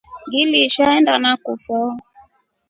Ngiishi aenda nakufo.